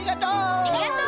ありがとう！